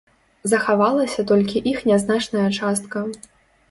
Захавалася толькі іх нязначная частка.